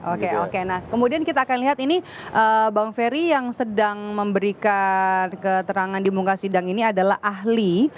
oke oke nah kemudian kita akan lihat ini bang ferry yang sedang memberikan keterangan di muka sidang ini adalah ahli